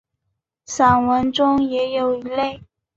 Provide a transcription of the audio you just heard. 散文中也有一类。